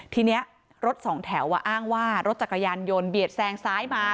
ทีนี้รถสองแถวอ้างว่ารถจักรยานยนต์เบียดแซงซ้ายมา